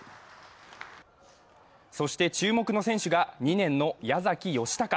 そして注目の選手が２年の矢崎由高。